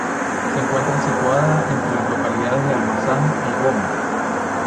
Se encuentra situada entre las localidades de Almazán y Gómara.